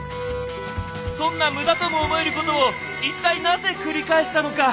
そんな無駄とも思えることをいったいなぜ繰り返したのか。